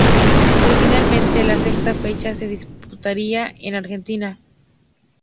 Originalmente, la sexta fecha se disputaría en Argentina.